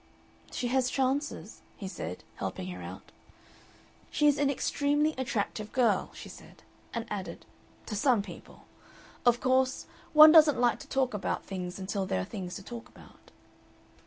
"She has chances?" he said, helping her out. "She is an extremely attractive girl," she said; and added, "to some people. Of course, one doesn't like to talk about things until there are things to talk about."